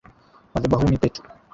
Madhabahuni petu